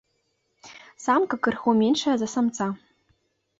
Самка крыху меншая за самца.